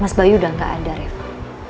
mas bayu udah gak ada revo